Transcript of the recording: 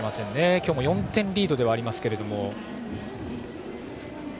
今日も４点リードではありますが。